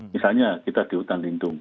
misalnya kita di hutan lindung